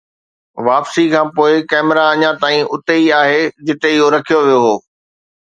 واپسي کان پوء، ڪئميرا اڃا تائين اتي ئي آهي جتي اهو رکيو ويو هو